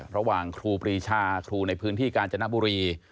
ระหว่างครูปรีชาครูในพื้นที่การจนะบุรี